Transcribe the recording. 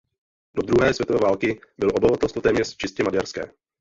Do druhé světové války bylo obyvatelstvo téměř čistě maďarské.